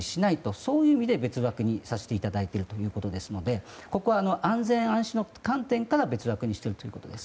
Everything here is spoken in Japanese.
そういう意味で別枠にさせていただいているので安全・安心の観点から別枠にしているということです。